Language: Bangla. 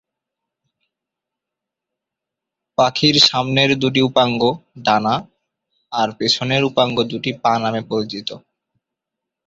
পাখির সামনের দু'টি উপাঙ্গ ডানা আর পেছনের উপাঙ্গ দু'টি পা নামে পরিচিত।